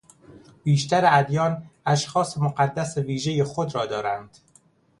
بیشتر ادیان اشخاص مقدس ویژهی خود را دارند.